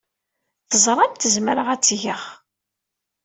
Teẓramt zemreɣ ad tt-geɣ.